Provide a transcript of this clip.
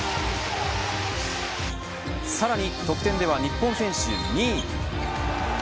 さらに得点では日本選手２位。